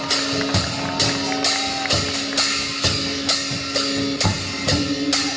สวัสดีสวัสดี